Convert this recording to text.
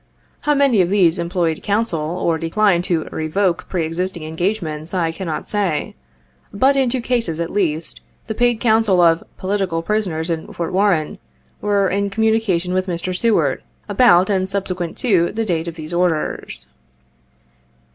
How many of these employed counsel, or declined to "revoke" pre existing engagements, I cannot say. But, in two cases, at least, the paid counsel of "poli tical prisoners" in Fort Warren, were in communication with Mr. Seward, about and subsequent to the date of these orders.